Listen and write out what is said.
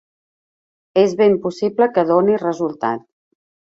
És ben possible que doni resultat.